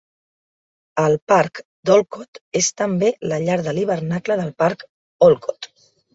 El parc d'Olcott és també la llar de l'hivernacle del parc Olcott.